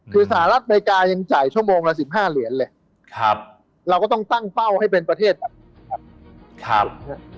คือสหรัฐอเมริกายังจ่ายชั่วโมงละ๑๕เหรียญเลยเราก็ต้องตั้งเป้าให้เป็นประเทศแบบนี้ครับผม